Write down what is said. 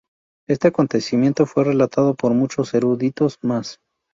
Este acontecimiento fue relatado por muchos eruditos más.